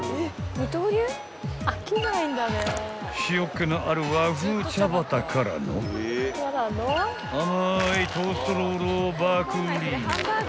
［塩っ気のある和風チャバタからの甘いトーストロールをバクリ］